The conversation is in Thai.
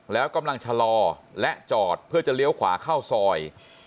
แล้วกำลังชะลอและจอดเพื่อจะเลี้ยวขวาเข้าซอย